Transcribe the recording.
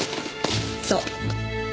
そう。